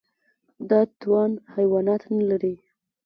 دا توان حیوانات نهلري.